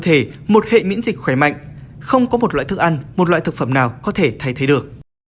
thể một hệ miễn dịch khỏe mạnh không có một loại thức ăn một loại thực phẩm nào có thể thay thế được